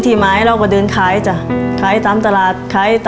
วิหารบุรพาจารย์